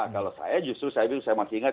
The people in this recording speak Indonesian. kalau saya justru saya masih ingat